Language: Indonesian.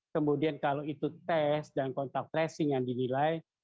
kemudian kalau itu tes dan kontak tracing yang dinilai